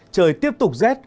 trời tiếp tục rét